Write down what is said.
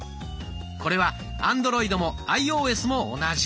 これはアンドロイドもアイオーエスも同じ。